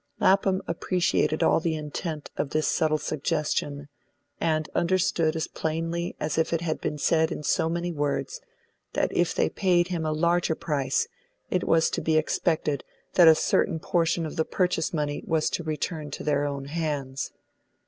Lapham appreciated all the intent of this subtle suggestion, and understood as plainly as if it had been said in so many words, that if they paid him a larger price, it was to be expected that a certain portion of the purchase money was to return to their own hands.